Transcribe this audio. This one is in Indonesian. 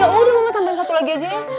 yaudah mama tambahin satu lagi